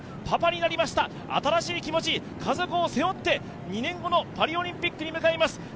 パパになりました、新しい気持ち、家族を背負って２年後のパリオリンピックに向かいます。